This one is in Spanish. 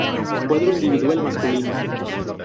Cuadro individual masculino